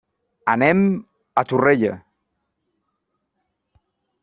Anem a Torrella.